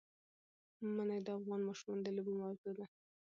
منی د افغان ماشومانو د لوبو موضوع ده.